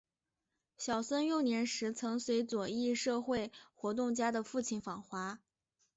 小森幼年时曾随左翼社会活动家的父亲访华。